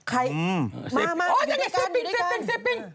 ใครมาอยู่ด้วยกันอยู่ด้วยกันโอ้ทีนี้เซปปิง